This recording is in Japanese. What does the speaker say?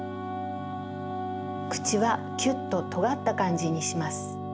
くちはキュッととがったかんじにします。